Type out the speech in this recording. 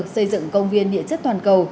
xây dựng công viên địa chất toàn cầu